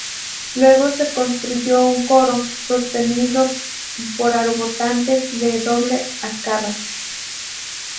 Luego se construyó un coro, sostenido por arbotantes de doble arcada.